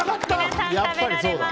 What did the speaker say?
皆さん食べられます。